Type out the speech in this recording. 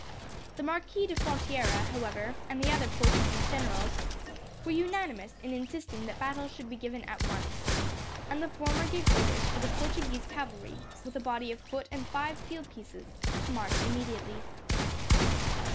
The Marquis de Frontiera, however, and the other Portuguese generals, were unanimous in insisting that battle should be given at once, and the former gave orders for the Portuguese cavalry, with a body of foot and five field pieces, to march immediately.